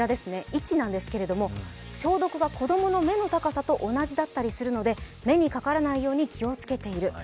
位置なんですけれども、消毒が子供の目の高さと同じだったりするので目にかからないように気をつけている。